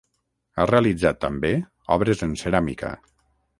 Ha realitzat, també, obres en ceràmica.